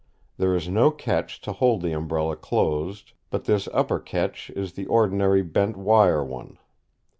There is no catch to hold the umbrella closed, but this upper catch is the ordinary bent wire one.